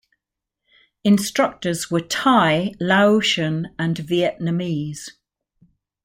Instructors were Thai, Laotian and Vietnamese.